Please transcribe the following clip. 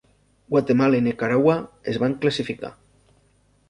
Guatemala i Nicaragua es van classificar.